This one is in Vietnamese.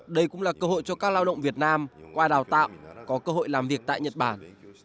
đây cũng là cơ hội cho các lao động việt nam qua đào tạo có cơ hội làm việc tại nhật bản